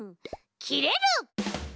きれる！